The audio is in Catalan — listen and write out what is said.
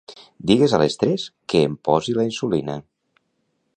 Digues a les tres que em posi la insulina.